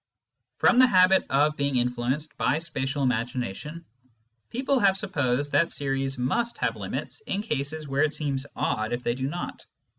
From the habit of being influenced by spatial imagination, people have supposed that series must have limits in cases where it seems odd if they do not.